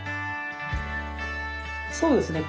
そうですね。